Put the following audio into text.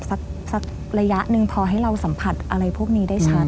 สักระยะหนึ่งพอให้เราสัมผัสอะไรพวกนี้ได้ชัด